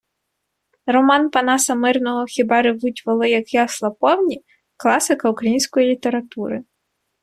Роман Панаса Мирного "Хіба ревуть воли, як ясла повні" - класика української літератури